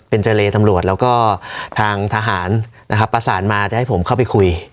เป็นเจรตำรวจแล้วก็ทางทหารนะครับประสานมาจะให้ผมเข้าไปคุย